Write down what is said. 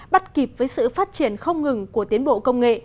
bắt kịp với sự phát triển không ngừng của tiến bộ công nghệ